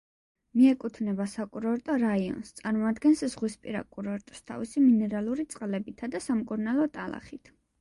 მიეკუთვნება საკურორტო რაიონს, წარმოადგენს ზღვისპირა კურორტს თავისი მინერალური წყლებითა და სამკურნალო ტალახით.